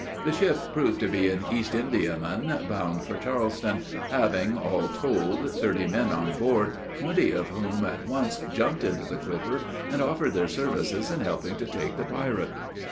The ship proved to be an East Indiaman, bound for Charleston, having, all told, thirty men on board, twenty of whom at once jumped into the clipper and offered their services in helping to take the pirate.